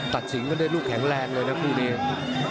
ตัดสิงห์ก็ได้รูปแข็งแรงเลยนะภูมิเอง